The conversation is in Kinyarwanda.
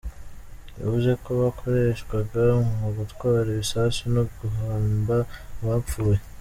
Yavuze ko bakoreshwaga mu gutwara ibisasu no guhamba abapfuye.